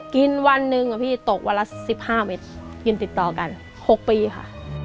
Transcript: วันหนึ่งอะพี่ตกวันละ๑๕เมตรกินติดต่อกัน๖ปีค่ะ